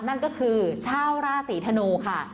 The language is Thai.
นั่นก็คือชาวราศีธนูค่ะ